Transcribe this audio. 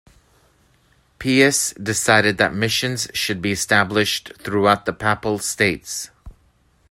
Pius decided that missions should be established throughout the Papal States.